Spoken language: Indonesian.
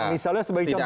misalnya sebagai contoh